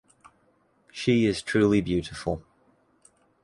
She is truly beautiful.